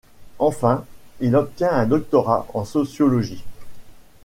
Enfin il obtient un doctorat en sociologie.